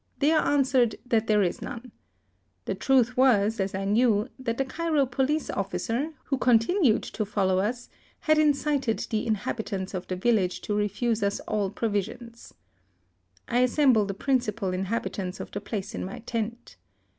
They are answer ed that there is none. The truth was, as I knew, that the Cairo police oflScer, who continued to follow us, had incited the in habitants of the village to refuse us all pro visions. I assemble the principal inhab itants of the place in my tent.